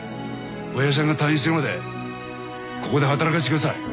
おやじさんが退院するまでここで働かせてください。